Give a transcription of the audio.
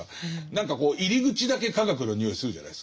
何かこう入り口だけ科学のにおいするじゃないですか。